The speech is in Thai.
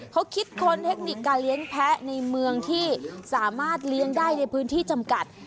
เขาคิดค้นเทคนิคการเลี้ยงแพ้ในเมืองที่สามารถเลี้ยงได้ในพื้นที่จำกัด